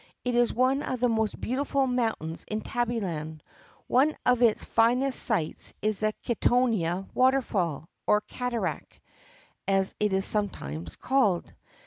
It is one of the most beautiful mountains in Tabbyland. One of its finest sights is the Kittonia Waterfall, or Cataract, as it is sometimes called.